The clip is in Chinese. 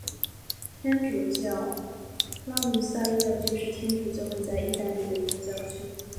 天主教拉努塞伊教区是天主教会在义大利的一个教区。